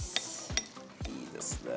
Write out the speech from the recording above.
いいですね。